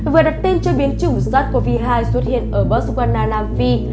vừa đặt tên cho biến chủng sars cov hai xuất hiện ở botswana nam phi